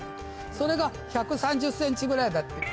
それが１３０ｃｍぐらいだって。